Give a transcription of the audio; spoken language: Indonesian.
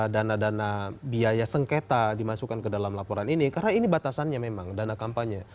dana dana biaya sengketa dimasukkan ke dalam laporan ini karena ini batasannya memang dana kampanye